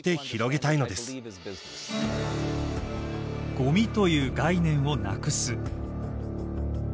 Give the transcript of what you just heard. ごみという概念をなくす。